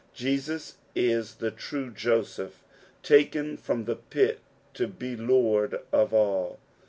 Jesus is the true Joseph taken from the pit lo be Lord of all.